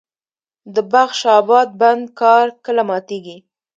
د بخش اباد بند کار کله ماتیږي؟